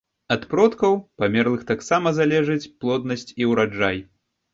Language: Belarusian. Ад продкаў, памерлых таксама залежыць плоднасць і ўраджай.